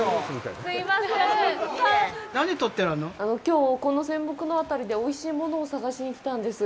きょう、この仙北の辺りでおいしいものを探しに来たんです。